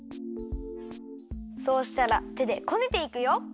そうしたらてでこねていくよ！